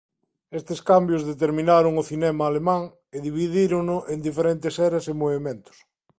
Estes cambios determinaron o cinema alemán e dividírono en diferentes eras e movementos.